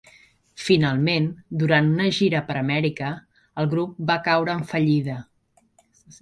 Finalment, durant una gira per Amèrica, el grup va caure en fallida.